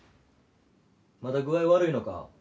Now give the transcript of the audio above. まだ具合悪いのか？